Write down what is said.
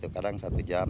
kadang satu jam